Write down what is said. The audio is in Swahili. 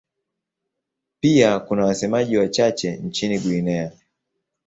Pia kuna wasemaji wachache nchini Guinea.